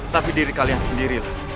tapi diri kalian sendirilah